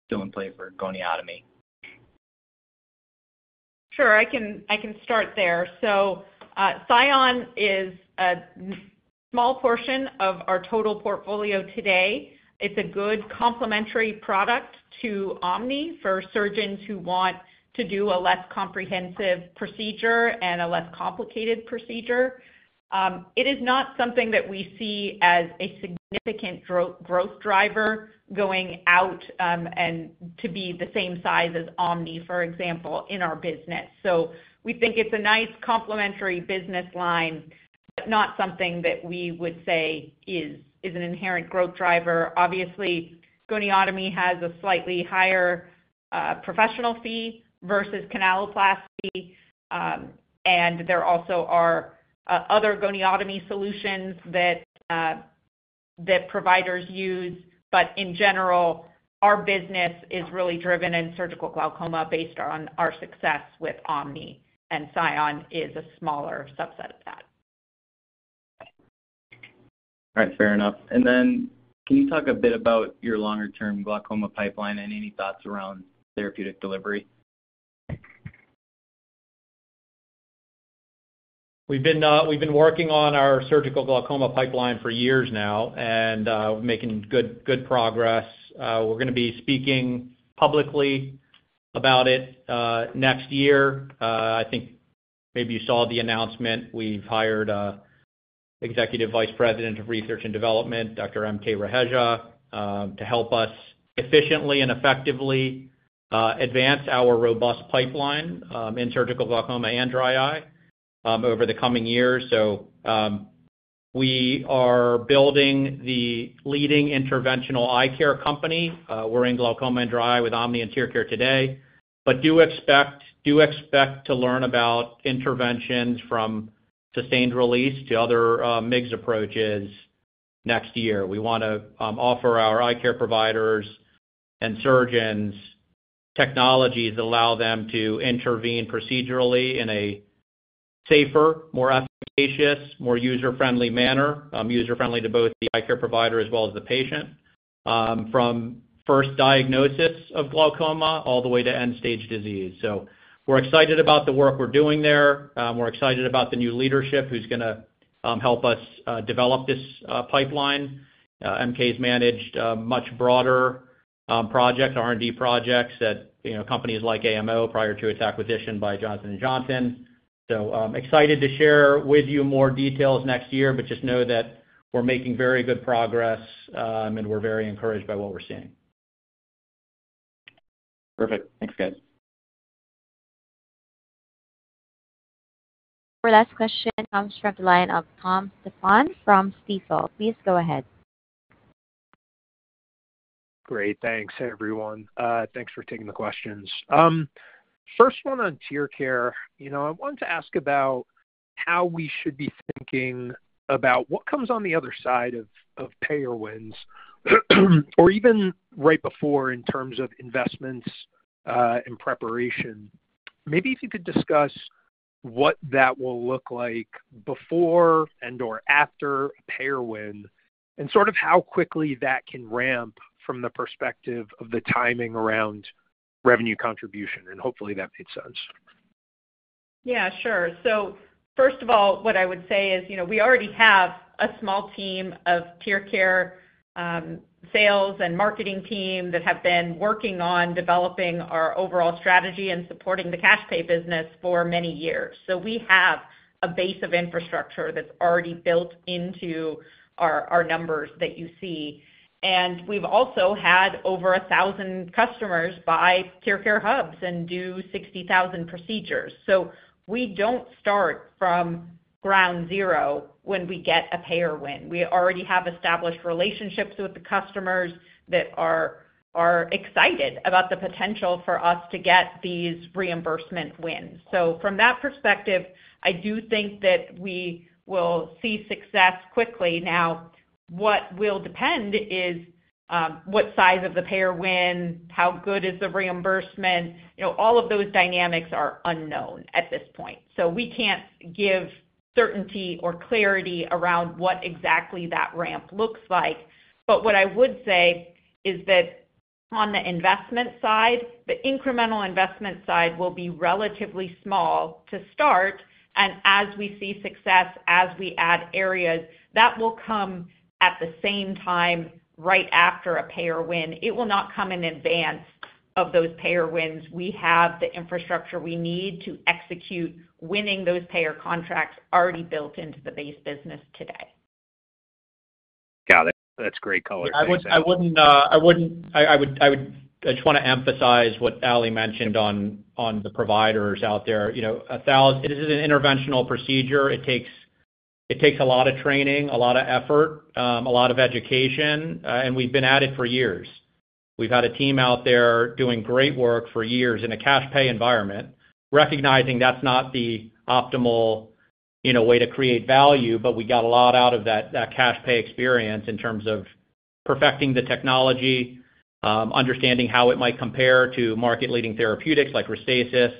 still in play for goniotomy. Sure. I can start there. So SION is a small portion of our total portfolio today. It's a good complementary product to OMNI for surgeons who want to do a less comprehensive procedure and a less complicated procedure. It is not something that we see as a significant growth driver going out and to be the same size as OMNI, for example, in our business. So we think it's a nice complementary business line, but not something that we would say is an inherent growth driver. Obviously, goniotomy has a slightly higher professional fee versus canaloplasty. And there also are other goniotomy solutions that providers use. But in general, our business is really driven in surgical glaucoma based on our success with OMNI, and SION is a smaller subset of that. All right. Fair enough. And then can you talk a bit about your longer-term glaucoma pipeline and any thoughts around therapeutic delivery? We've been working on our surgical glaucoma pipeline for years now, and we're making good progress. We're going to be speaking publicly about it next year. I think maybe you saw the announcement. We've hired Executive Vice President of Research and Development, Dr. MK Raheja, to help us efficiently and effectively advance our robust pipeline in surgical glaucoma and dry eye over the coming years. So we are building the leading interventional eye care company. We're in glaucoma and dry eye with OMNI and TearCare today, but do expect to learn about interventions from sustained release to other MIGS approaches next year. We want to offer our eye care providers and surgeons technologies that allow them to intervene procedurally in a safer, more efficacious, more user-friendly manner, user-friendly to both the eye care provider as well as the patient from first diagnosis of glaucoma all the way to end-stage disease. So we're excited about the work we're doing there. We're excited about the new leadership who's going to help us develop this pipeline. MK's managed a much broader project, R&D projects at companies like AMO prior to its acquisition by Johnson & Johnson. So excited to share with you more details next year, but just know that we're making very good progress, and we're very encouraged by what we're seeing. Perfect. Thanks, guys. Our last question comes from the line of Tom Stephan from Stifel. Please go ahead. Great. Thanks, everyone. Thanks for taking the questions. First one on TearCare, I wanted to ask about how we should be thinking about what comes on the other side of payer wins or even right before in terms of investments and preparation. Maybe if you could discuss what that will look like before and/or after a payer win and sort of how quickly that can ramp from the perspective of the timing around revenue contribution. And hopefully, that made sense. Yeah. Sure. First of all, what I would say is we already have a small team of TearCare sales and marketing team that have been working on developing our overall strategy and supporting the cash pay business for many years. We have a base of infrastructure that's already built into our numbers that you see. We've also had over 1,000 customers buy TearCare hubs and do 60,000 procedures. We don't start from ground zero when we get a payer win. We already have established relationships with the customers that are excited about the potential for us to get these reimbursement wins. From that perspective, I do think that we will see success quickly. Now, what will depend is what size of the payer win, how good is the reimbursement. All of those dynamics are unknown at this point. We can't give certainty or clarity around what exactly that ramp looks like. But what I would say is that on the investment side, the incremental investment side will be relatively small to start. And as we see success, as we add areas, that will come at the same time right after a payer win. It will not come in advance of those payer wins. We have the infrastructure we need to execute winning those payer contracts already built into the base business today. Got it. That's great color. I would just want to emphasize what Ali mentioned on the providers out there. This is an interventional procedure. It takes a lot of training, a lot of effort, a lot of education. And we've been at it for years. We've had a team out there doing great work for years in a cash pay environment, recognizing that's not the optimal way to create value, but we got a lot out of that cash pay experience in terms of perfecting the technology, understanding how it might compare to market-leading therapeutics like Restasis,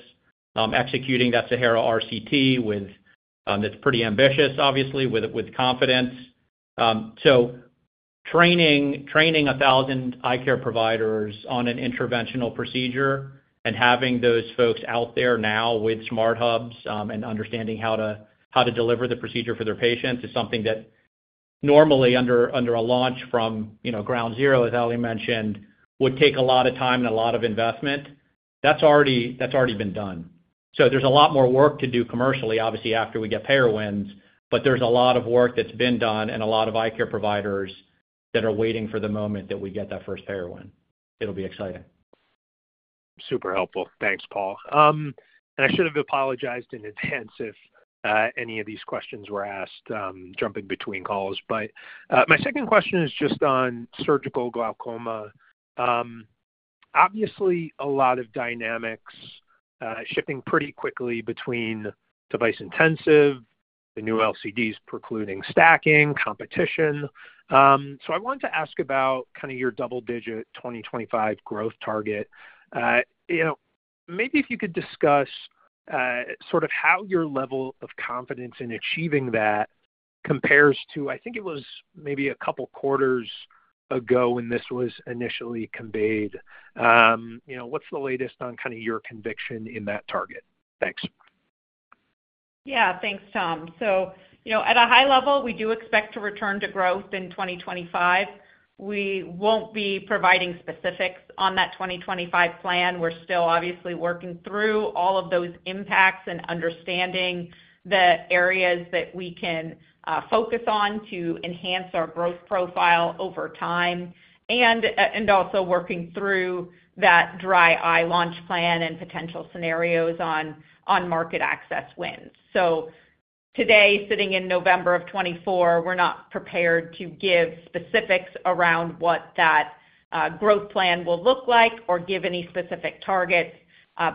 executing that SAHARA RCT that's pretty ambitious, obviously, with confidence. So training 1,000 eye care providers on an interventional procedure and having those folks out there now with SmartHubs and understanding how to deliver the procedure for their patients is something that normally under a launch from ground zero, as Ali mentioned, would take a lot of time and a lot of investment. That's already been done. So there's a lot more work to do commercially, obviously, after we get payer wins, but there's a lot of work that's been done and a lot of eye care providers that are waiting for the moment that we get that first payer win. It'll be exciting. Super helpful. Thanks, Paul. And I should have apologized in advance if any of these questions were asked jumping between calls. But my second question is just on surgical glaucoma. Obviously, a lot of dynamics shifting pretty quickly between device-intensive, the new LCDs precluding stacking, competition. So I wanted to ask about kind of your double-digit 2025 growth target. Maybe if you could discuss sort of how your level of confidence in achieving that compares to, I think it was maybe a couple of quarters ago when this was initially conveyed. What's the latest on kind of your conviction in that target? Thanks. Yeah. Thanks, Tom. So at a high level, we do expect to return to growth in 2025. We won't be providing specifics on that 2025 plan. We're still obviously working through all of those impacts and understanding the areas that we can focus on to enhance our growth profile over time and also working through that dry eye launch plan and potential scenarios on market access wins. So today, sitting in November of 2024, we're not prepared to give specifics around what that growth plan will look like or give any specific targets,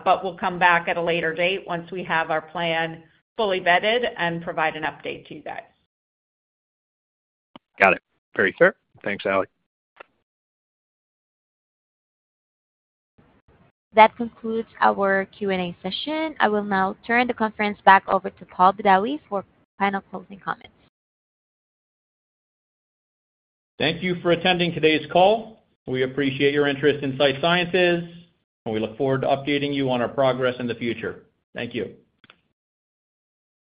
but we'll come back at a later date once we have our plan fully vetted and provide an update to you guys. Got it. Very fair. Thanks, Ali. That concludes our Q&A session. I will now turn the conference back over to Paul Badawi for final closing comments. Thank you for attending today's call. We appreciate your interest in Sight Sciences, and we look forward to updating you on our progress in the future. Thank you.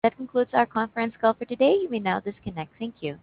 That concludes our conference call for today. You may now disconnect. Thank you.